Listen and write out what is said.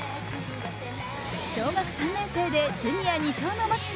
小学３年生でジュニア２勝の松島。